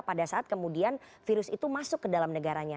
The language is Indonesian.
pada saat kemudian virus itu masuk ke dalam negaranya